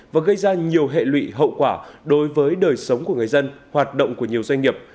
và gây ra nhiều hệ lụy hậu quả đối với đời sống của người dân hoạt động của nhiều doanh nghiệp